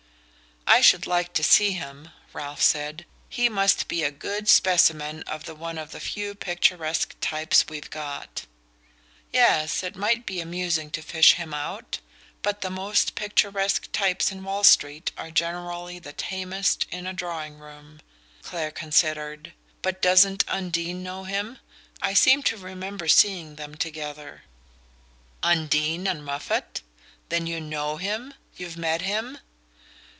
"I should like to see him," Ralph said; "he must be a good specimen of the one of the few picturesque types we've got." "Yes it might be amusing to fish him out; but the most picturesque types in Wall Street are generally the tamest in a drawing room." Clare considered. "But doesn't Undine know him? I seem to remember seeing them together." "Undine and Moffatt? Then you KNOW him you've' met him?"